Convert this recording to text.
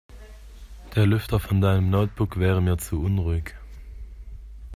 Der Lüfter von deinem Notebook wäre mir zu unruhig.